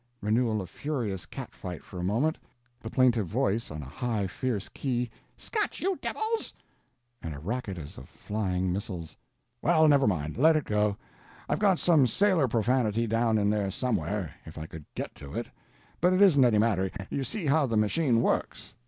(Renewal of furious catfight for a moment. The plaintive voice on a high fierce key, "Scat, you devils"—and a racket as of flying missiles.) "Well, never mind—let it go. I've got some sailor profanity down in there somewhere, if I could get to it. But it isn't any matter; you see how the machine works."